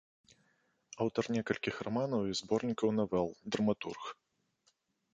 Аўтар некалькіх раманаў і зборнікаў навел, драматург.